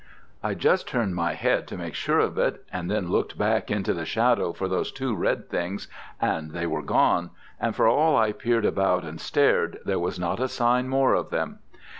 I just turned my head to make sure of it, and then looked back into the shadow for those two red things, and they were gone, and for all I peered about and stared, there was not a sign more of them.